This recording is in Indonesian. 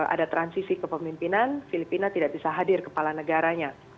ada transisi kepemimpinan filipina tidak bisa hadir kepala negaranya